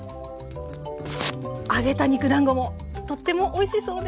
揚げた肉だんごもとってもおいしそうです。